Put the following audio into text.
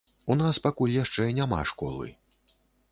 У нас пакуль яшчэ няма школы.